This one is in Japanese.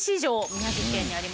宮城県にありました